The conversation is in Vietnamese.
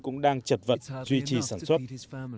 cũng đang chật vật duy trì sản xuất